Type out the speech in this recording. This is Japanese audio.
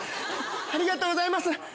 ありがとうございます。